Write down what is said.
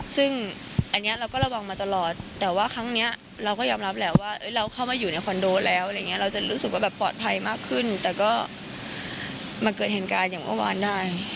ซึ่งอันนี้เราก็ระวังมาตลอดแต่ว่าครั้งนี้เราก็ยอมรับแหละว่าเราเข้ามาอยู่ในคอนโดแล้วอะไรอย่างนี้เราจะรู้สึกว่าแบบปลอดภัยมากขึ้นแต่ก็มาเกิดเหตุการณ์อย่างเมื่อวานได้